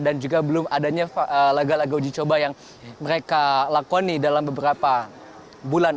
dan juga belum adanya laga laga uji coba yang mereka lakoni dalam beberapa bulan